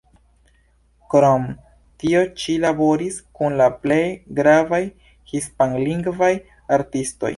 Krom tio ŝi laboris kun la plej gravaj hispanlingvaj artistoj.